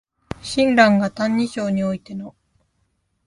親鸞が「歎異抄」においての